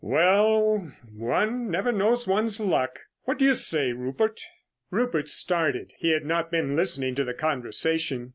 "Well, one never knows one's luck. What do you say, Rupert?" Rupert started. He had not been listening to the conversation.